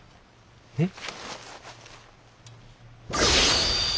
えっ？